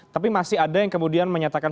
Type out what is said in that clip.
tapi masih ada yang kemudian menyatakan